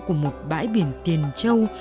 của một bãi biển tiền châu